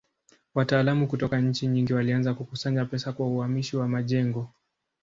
Wataalamu kutoka nchi nyingi walianza kukusanya pesa kwa uhamisho wa majengo.